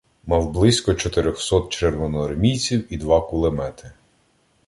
Мав близько чотирьохсот червоноармійців і два кулемети.